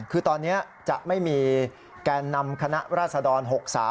คือตอนนี้จะไม่มีแกนนำคณะราษฎร๖๓